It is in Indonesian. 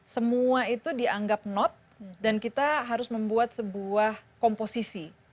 semua itu dianggap not dan kita harus membuat sebuah komposisi